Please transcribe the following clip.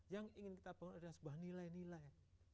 yang ingin kita bangun adalah sebuah nilai nilai